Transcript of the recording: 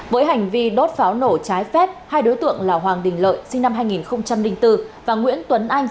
với hành vi đốt pháo nổ trái phép hai đối tượng là hoàng đình lợi sinh năm hai nghìn bốn và nguyễn tuấn anh